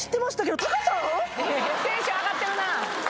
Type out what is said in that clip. テンション上がってるな！